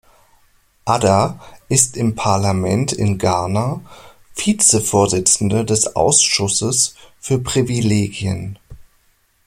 Adda ist im Parlament in Ghana Vizevorsitzender des Ausschusses für Privilegien.